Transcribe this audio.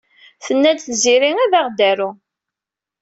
Tenna-d Tiziri ad aɣ-d-taru.